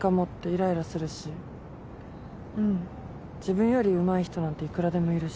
自分よりうまい人なんていくらでもいるし。